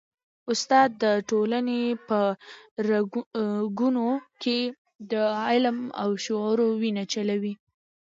استاد د ټولني په رګونو کي د علم او شعور وینه چلوي.